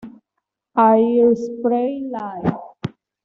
Hairspray Live!